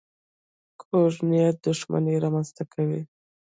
کوږ نیت دښمني رامنځته کوي